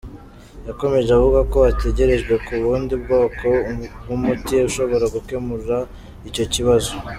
Yakomeje avuga ko hatekerejwe ku bundi bwoko bw’umuti ushobora gukemura icyo kibazo.